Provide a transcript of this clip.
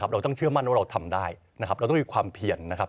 เราต้องเชื่อมั่นว่าเราทำได้นะครับเราต้องมีความเพียรนะครับ